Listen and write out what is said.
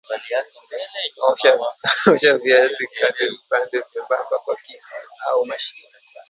Osha viazi kata vipande vyembamba kwa kisu au mashine